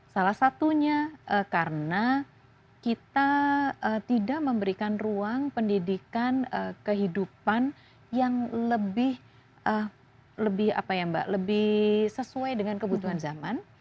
salah satunya karena kita tidak memberikan ruang pendidikan kehidupan yang lebih sesuai dengan kebutuhan zaman